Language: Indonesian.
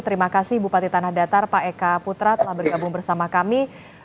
terima kasih bupati tanah datar pak eka putra telah bergabung bersama kami